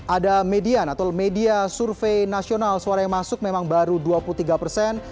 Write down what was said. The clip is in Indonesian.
ada median atau media survei nasional suara yang masuk memang baru dua puluh tiga persen